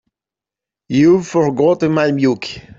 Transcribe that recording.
You've forgotten my milk.